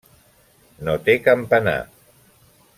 No té campanar.